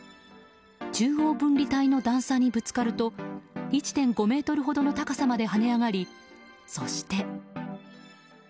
中央分離帯の段差にぶつかると１．５ｍほどの高さまで跳ね上がり、そして。